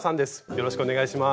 よろしくお願いします。